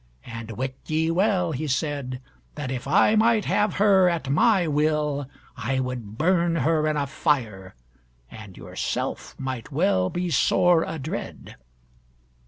And wit ye well," he said, "that if I might have her at my will, I would burn her in a fire, and yourself might well be sore adread."